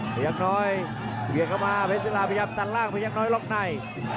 พยายามน้อยเบียดเข้ามาเพซิลาพยายามตัดล่างพยายามน้อยล็อคใน